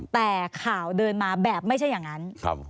แต่ข่าวเดินมาแบบไม่ใช่อย่างนั้น